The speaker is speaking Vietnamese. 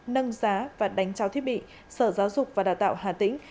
nâng giá và đánh trao thiết bị sở giáo dục và đào tạo hà tĩnh